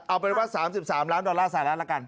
เอาเป็นว่าสามสิบสามล้านดอลลาร์สหรัฐแล้วกัน